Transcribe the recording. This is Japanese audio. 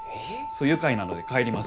不愉快なので帰ります。